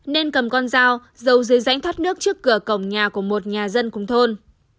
nên cầm con dao dầu dưới rãnh thoát nước trước cửa cổng nhà của một nhà dân cùng thôn